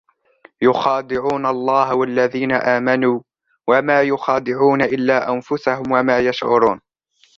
يخادعون الله والذين آمنوا وما يخدعون إلا أنفسهم وما يشعرون